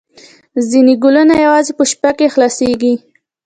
ځینې ګلونه یوازې په شپه کې خلاصیږي